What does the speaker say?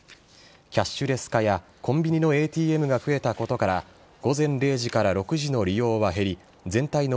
キャッシュレス化やコンビニのＡＴＭが増えたことから午前０時から６時の利用は減り全体の